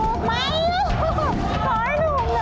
ถูกมั้ยขอให้ถูกนะ